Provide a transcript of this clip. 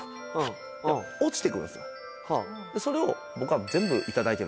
それを僕が。